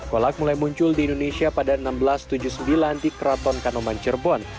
kolak mulai muncul di indonesia pada seribu enam ratus tujuh puluh sembilan di keraton kanoman cirebon